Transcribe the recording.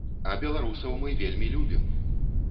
А беларусаў мы вельмі любім!